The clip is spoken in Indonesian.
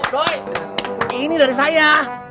doi ini dari saya